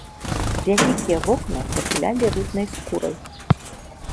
Вялікія вокны затулялі рыбнай скурай.